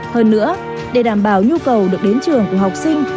hơn nữa để đảm bảo nhu cầu được đến trường của học sinh